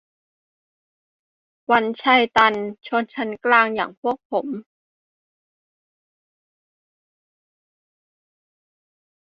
วันชัย ตัน : ชนชั้นกลางอย่างพวกผม